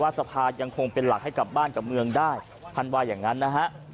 สภายังคงเป็นหลักให้กลับบ้านกับเมืองได้ท่านว่าอย่างนั้นนะฮะ